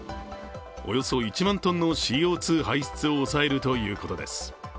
およそ１万トンのＣＯ２排出を抑えるということです。